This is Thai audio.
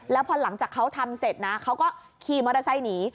แล้วพอหลังจากเขาทำเสร็จนะเขาก็ขี่มอเตอร์ไซค์หนี